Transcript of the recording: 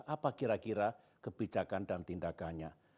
apa kira kira kebijakan dan tindakannya